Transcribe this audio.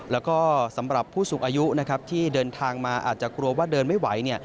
แล้วก็สำหรับผู้สูงอายุนะครับที่เดินทางมาอาจจะกลัวว่าเดินไม่ไหว